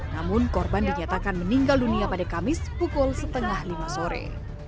namun korban dinyatakan meninggal dunia pada kamis pukul setengah lima sore